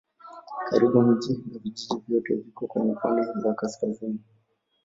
Karibu miji na vijiji vyote viko kwenye pwani la kaskazini.